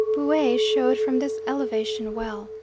Buea showed from this elevation well.